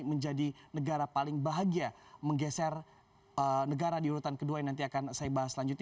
menjadi negara paling bahagia menggeser negara di urutan kedua yang nanti akan saya bahas selanjutnya